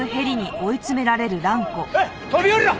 飛び降りろ！